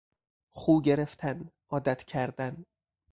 خو گرفتن، عادت کردن